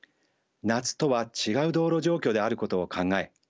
夏とは違う道路状況であることを考え